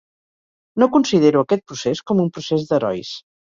No considero aquest procés com un procés d’herois.